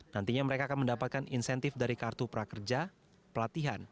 nantinya mereka akan mendapatkan insentif dari kartu prakerja pelatihan